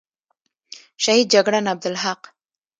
شهید جگړن عبدالحق،